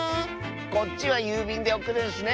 こっちはゆうびんでおくるんスね！